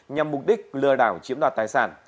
nhằm mục đích lừa đảo chiếm đoạt tài sản